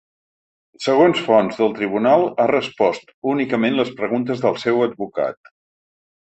Segons fonts del tribunal, ha respost únicament les preguntes del seu advocat.